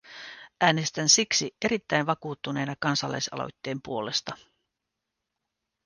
Äänestän siksi erittäin vakuuttuneena kansalaisaloitteen puolesta.